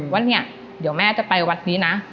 ว่าเนี่ยเดี๋ยวแม่จะไปวัดนี้นะ